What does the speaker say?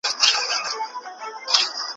دا د پردیو اجل مه ورانوی